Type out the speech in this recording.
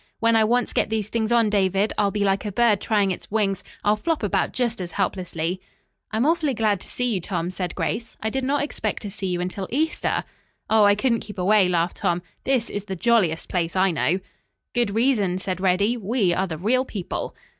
When I once get these things on, David, I'll be like a bird trying its wings, I'll flop about just as helplessly." "I'm awfully glad to see you, Tom," said Grace, "I did not expect to see you until Easter." "Oh, I couldn't keep away," laughed Tom. "This is the jolliest place I know." "Good reason," said Reddy, "we are the real people."